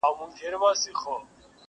هره لوېشت مي د نيکه او بابا ګور دی،